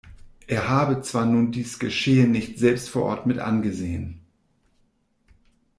Er habe zwar nun dies Geschehen nicht selbst vor Ort mitangesehen.